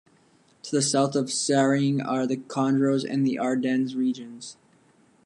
To the south of Seraing are the Condroz and the Ardennes regions.